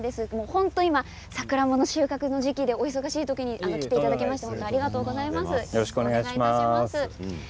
本当にサクランボの収穫の時期でお忙しい時に来ていただいてありがとうございます。